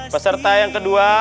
peserta yang kedua